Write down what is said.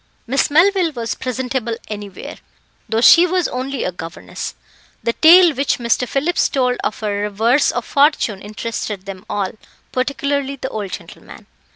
Miss Melville was presentable anywhere, though she was only a governess. The tale which Mr. Phillips told of her reverse of fortune interested them all, particularly the old gentleman.